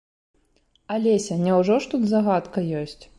Алеся, няўжо ж тут загадка ёсць?